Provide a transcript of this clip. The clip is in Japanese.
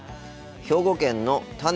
兵庫県のた